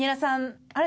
あれ？